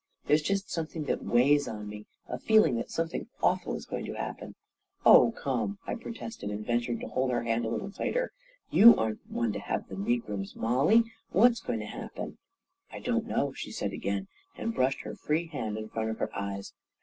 There's just something that weighs on me. A feeling that something awful is going to happen." " Oh, come I " I protested, and ventured to hold her hand a little tighter. " You aren't one to have the megrims, Mollie! Whafs going to happen? "" I don't know," she said again, and brushed her A KING IN BABYLON 167 free hand in front of her eyes.